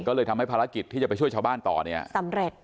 ก็เลยทำให้ภารกิจที่จะไปช่วยชาวบ้านต่อเนี่ยสำเร็จ